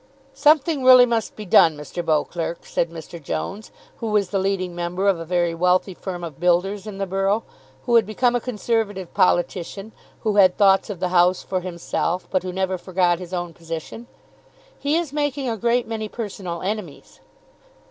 "Something really must be done, Mr. Beauclerk," said Mr. Jones, who was the leading member of a very wealthy firm of builders in the borough, who had become a Conservative politician, who had thoughts of the House for himself, but who never forgot his own position. "He is making a great many personal enemies."